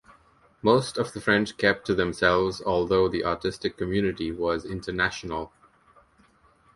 Most of the French kept to themselves, although the artistic community was international.